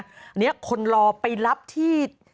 อันนี้คนรอไปรับที่